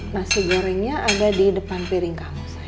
nasi gorengnya ada di depan piring kamu